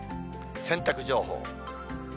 洗濯情報。